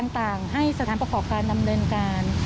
ต่างให้สถานประกอบการดำเนินการ